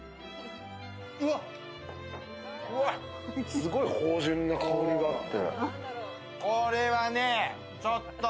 すごい芳じゅんな香りがあって。